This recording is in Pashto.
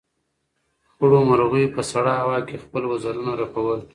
خړو مرغیو په سړه هوا کې خپل وزرونه رپول.